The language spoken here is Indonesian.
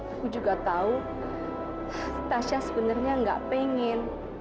aku juga tahu tasya sebenarnya nggak pengen